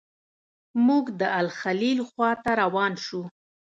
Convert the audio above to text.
موږ د الخلیل خواته روان شوو.